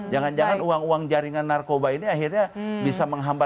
jangan jangan uang uang jaringan narkoba ini akhirnya bisa menghambat